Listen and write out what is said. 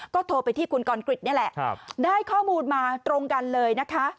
ก็โทรไปที่คุณกรกริจนี่แหละได้ข้อมูลมาตรงกันเลยนะคะ